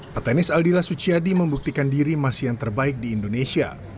petenis aldila suciadi membuktikan diri masih yang terbaik di indonesia